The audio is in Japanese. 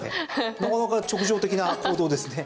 なかなか直情的な行動ですね。